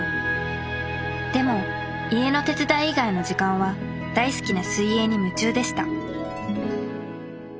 でも家の手伝い以外の時間は大好きな水泳に夢中でした